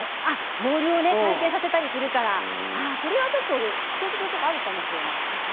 ボールを回転させたりするからね、それは共通することがあるかもしれないですね。